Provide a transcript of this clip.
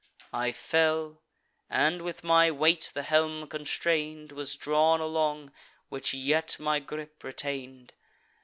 I fell; and, with my weight, the helm constrain'd Was drawn along, which yet my gripe retain'd.